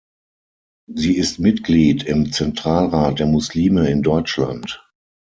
Sie ist Mitglied im Zentralrat der Muslime in Deutschland.